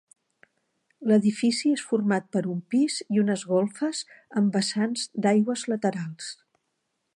L'edifici és format per un pis i unes golfes amb vessants d'aigües laterals.